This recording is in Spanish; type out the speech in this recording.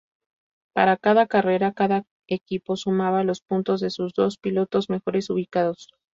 Para cada carrera, cada equipo sumaba los puntos de sus dos pilotos mejores ubicados.